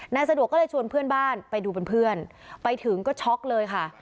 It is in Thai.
สะดวกก็เลยชวนเพื่อนบ้านไปดูเป็นเพื่อนไปถึงก็ช็อกเลยค่ะ